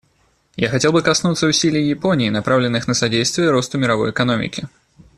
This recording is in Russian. Я хотел бы коснуться усилий Японии, направленных на содействие росту мировой экономики.